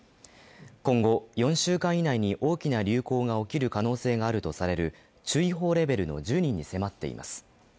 今後、４週間以内に大きな流行が起きる可能性があるとされる注意報レベルの１０人に迫っています。